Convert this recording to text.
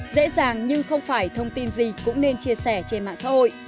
dễ dàng nhưng không phải thông tin gì cũng nên chia sẻ trên mạng xã hội